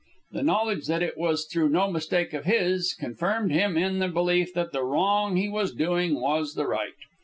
The knowledge that it was through no mistake of his confirmed him in the belief that the wrong he was doing was the right.